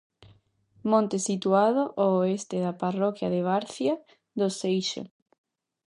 Monte situado ao oeste da parroquia da Barcia do Seixo.